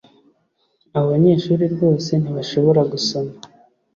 Abo banyeshuri rwose ntibashobora gusoma